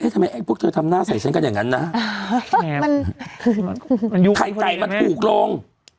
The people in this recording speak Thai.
ทำไมไอ้พวกเธอทำหน้าใส่ฉันกันอย่างนั้นนะไข่ไก่มันถูกลง